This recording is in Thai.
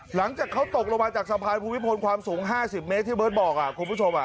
หลังจากเขาตกลงมาจากสะพานภูมิพลความสูง๕๐เมตรที่เบิร์ตบอกคุณผู้ชม